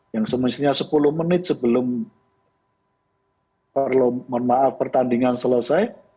yang semestinya sepuluh menit sebelum pertandingan selesai